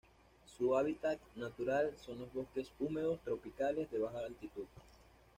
Su hábitat natural son los bosques húmedos tropicales de baja altitud.